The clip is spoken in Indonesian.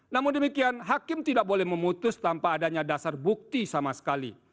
namun demikian hakim tidak boleh memutus tanpa adanya dasar bukti sama sekali